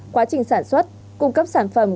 quá trình sản xuất cung cấp sản phẩm